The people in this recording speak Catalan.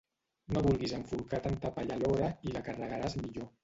No vulguis enforcar tanta palla alhora i la carregaràs millor.